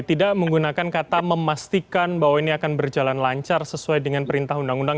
tidak menggunakan kata memastikan bahwa ini akan berjalan lancar sesuai dengan perintah undang undang